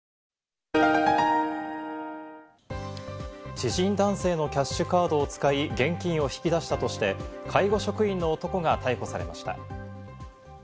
知人男性のキャッシュカードを使い、現金を引き出したとして、介護職員の男が逮捕されました。